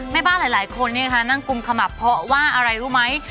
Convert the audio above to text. แม่บ้านหลายคนนี่นะคะนั่งกุมขมาบพอะว่าอะไรรู้ไหม